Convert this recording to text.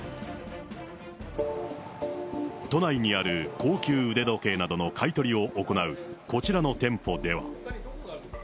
都内にある高級腕時計などの買い取りを行うこちらの店舗では。